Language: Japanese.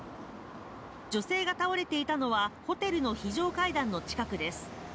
女性が倒れていたのはホテルの非常階段の近くです。